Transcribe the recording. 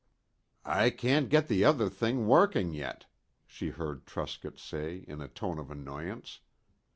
"I can't get the other thing working yet," she heard Truscott say in a tone of annoyance.